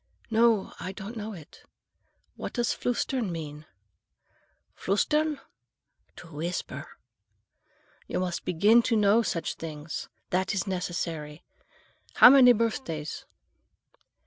"No, I don't know it. What does flüstern mean?" "Flüstern?—to whisper. You must begin now to know such things. That is necessary. How many birthdays?"